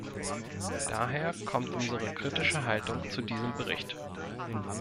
Daher kommt unsere kritische Haltung zu diesem Bericht.